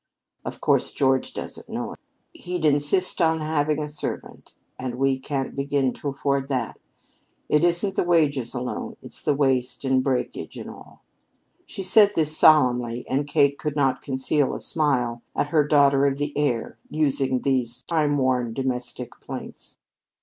Of course, George doesn't know. He'd insist on our having a servant, and we can't begin to afford that. It isn't the wages alone; it's the waste and breakage and all." She said this solemnly, and Kate could not conceal a smile at her "daughter of the air" using these time worn domestic plaints.